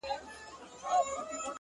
او عالي ذوق